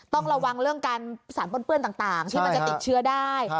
ต้องระวังเรื่องการสารปนเปื้อนต่างที่มันจะติดเชื้อได้